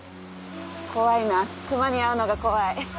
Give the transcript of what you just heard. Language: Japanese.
怖いな熊にあうのが怖い。